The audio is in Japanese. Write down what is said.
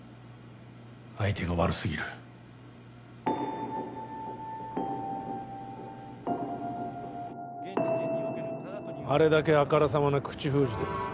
相手が悪すぎるあれだけあからさまな口封じです